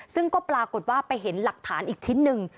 ซึ่งก็ปรากฏว่าไปเห็นหลักฐานอีกชิ้นหนึ่ง